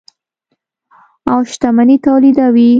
او شتمني تولیدوي.